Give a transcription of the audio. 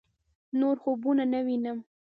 نور خوبونه نه وينم